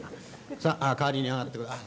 さあ代わりに上がってください」。